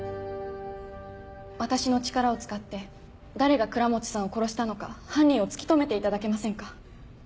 私の力を使って誰が倉持さんを殺したのか犯人を突き止めていただけませんか？